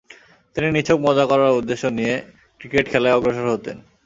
তিনি নিছক মজা করার উদ্দেশ্য নিয়ে ক্রিকেট খেলায় অগ্রসর হতেন।